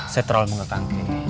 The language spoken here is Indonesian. saya terlalu mengagetkan kay